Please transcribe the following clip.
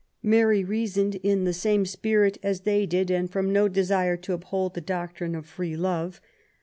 Mary reasoned in the same spirit as they did^ and from no desire to uphold the doctrine of free love.